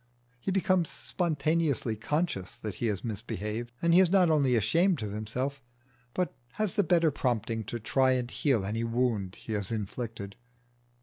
He becomes spontaneously conscious that he has misbehaved, and he is not only ashamed of himself, but has the better prompting to try and heal any wound he has inflicted.